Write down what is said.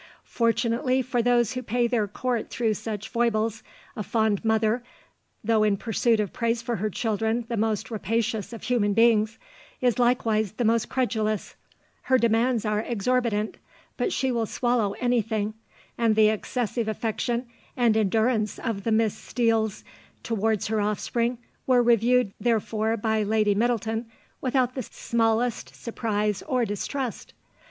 "Fortunately for those who pay their court through such foibles, a fond mother, though in pursuit of praise for her children the most rapacious of human beings, is likewise the most credulous; her demands are exorbitant, but she will swallow anything, and the excessive affection and endurance of the Miss Steeles towards her offspring were reviewed therefore by Lady Middleton without the smallest surprise or distrust.